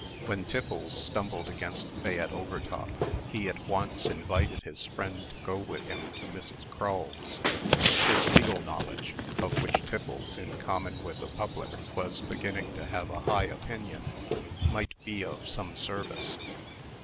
When Tiffles stumbled against Fayette Overtop, he at once invited his friend to go with him to Mrs. Crull's. His legal knowledge (of which Tiffles, in common with the public, was beginning to have a high opinion) might be of some service.